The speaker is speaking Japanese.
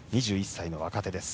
２１歳の若手。